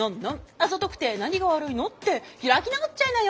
「あざとくて何が悪いの？」って開き直っちゃいなよ。